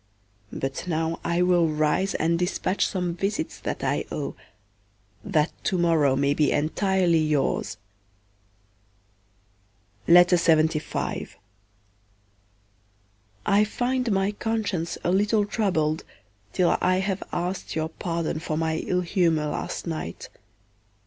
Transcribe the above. But now I will rise and despatch some visits that I owe, that to morrow may be entirely yours. I find my conscience a little troubled till I have asked your pardon for my ill humour last night.